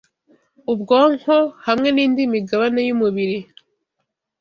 ubwonko hamwe n’indi migabane y’umubiri. …